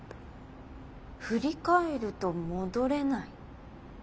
振り返ると戻れない。